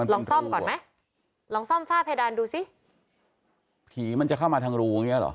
ลองซ่อมก่อนไหมลองซ่อมฝ้าเพดานดูสิผีมันจะเข้ามาทางรูอย่างเงี้เหรอ